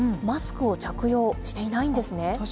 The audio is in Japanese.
マスクを着用していないんですね。